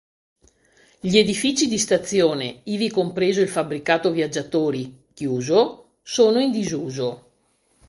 Gli edifici di stazione, ivi compreso il fabbricato viaggiatori, chiuso, sono in disuso.